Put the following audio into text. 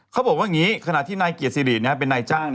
เขาบอกว่าอย่างนี้ขณะที่นายเกียรติศิริเป็นนายจ้าง